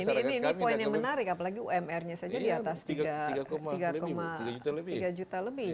ini poin yang menarik apalagi umr nya saja di atas tiga tiga juta lebih